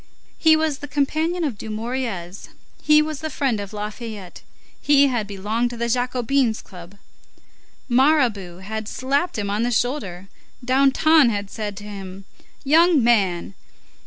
He was the companion of Dumouriez, he was the friend of Lafayette; he had belonged to the Jacobins' club; Mirabeau had slapped him on the shoulder; Danton had said to him: "Young man!"